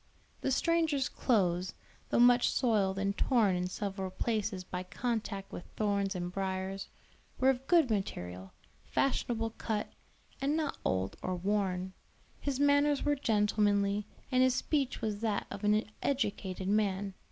The stranger's clothes, though much soiled and torn in several places by contact with thorns and briers, were of good material, fashionable cut, and not old or worn; his manners were gentlemanly, and his speech was that of an educated man.